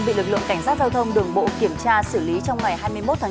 bị lực lượng cảnh sát giao thông đường bộ kiểm tra xử lý trong ngày hai mươi một tháng chín